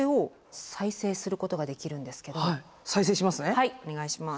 はいお願いします。